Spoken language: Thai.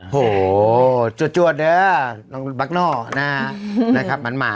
โหจวดเนี่ยน้องบัคโน่นะครับหมานนะฮะ